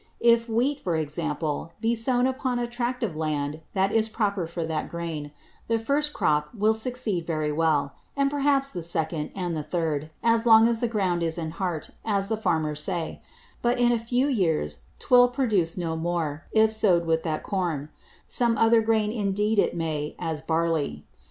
If Wheat, for Example, be sown upon a Tract of Land that is proper for that Grain, the first Crop will succeed very well; and perhaps the second, and the third, as long as the Ground is in Heart, as the Farmers speak; but in a few Years 'twill produce no more, if sowed with that Corn: Some other Grain indeed it may, as Barley.